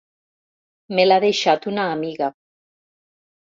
Me l'ha deixat una amiga.